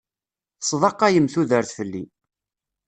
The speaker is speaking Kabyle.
Tesḍaqayem tudert fell-i.